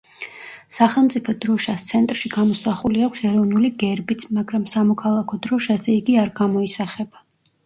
სახელმწიფო დროშას ცენტრში გამოსახული აქვს ეროვნული გერბიც, მაგრამ სამოქალაქო დროშაზე იგი არ გამოისახება.